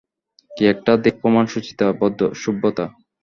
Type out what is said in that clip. কী একটা দীপ্যমান শুচিতা, শুভ্রতা!